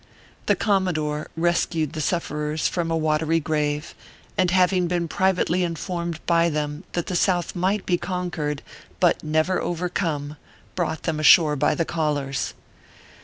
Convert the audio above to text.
The Commodore rescued the sufferers from a wa tery grave ; and having been privately informed by ORPHEUS C. KERR PAPERS. 359 them that the South might be conquered, but never overcome, brought them ashore by the collars.